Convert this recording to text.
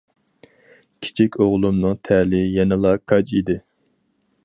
كىچىك ئوغلۇمنىڭ تەلىيى يەنىلا كاج ئىدى.